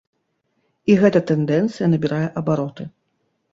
І гэта тэндэнцыя набірае абароты.